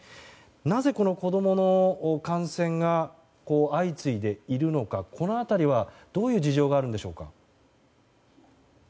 なぜ、子供の感染が相次いでいるのかこの辺りは、どういう事情があるんでしょうか？